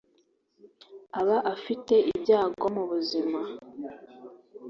aba afite ibyago mu buzima.